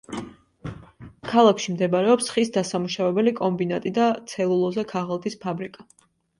ქალაქში მდებარეობს ხის დასამუშავებელი კომბინატი და ცელულოზა-ქაღალდის ფაბრიკა.